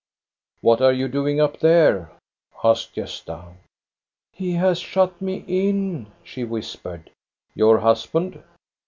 "What are you doing up there? " asked Gosta. " He has shut me in," she whispered. " Your husband